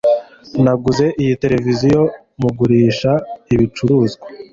Naguze iyi televiziyo mugurisha ibicuruzwa.